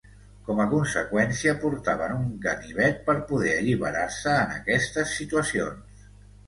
Com a conseqüència portaven un ganivet per poder alliberar-se en aquestes situacions.